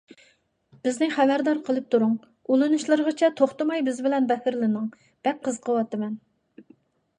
بىزنى خەۋەردار قىلىپ تۇرۇڭ. ئۇلىنىشلىرىغىچە توختىماي بىز بىلەن بەھرىلىنىڭ، بەك قىزىقىۋاتىمەن